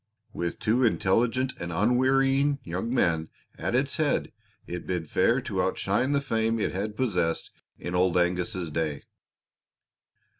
With two intelligent and unwearying young men at its head it bid fair to outshine the fame it had possessed in Old Angus's day.